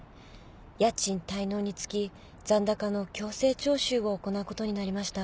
家賃滞納につき残高の強制徴収を行うことになりました。